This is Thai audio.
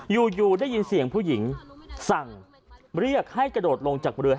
อยู่ได้ยินเสียงผู้หญิงสั่งเรียกให้กระโดดลงจากเรือ